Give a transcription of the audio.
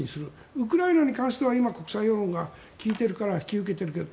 ウクライナに関しては今、国際世論が利いているから引き受けているけど。